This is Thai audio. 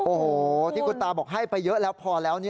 โอ้โหที่คุณตาบอกให้ไปเยอะแล้วพอแล้ว